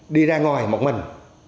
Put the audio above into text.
đi ra ngoài một mình